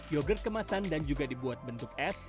yogurt kemasan dan juga dibuat bentuk es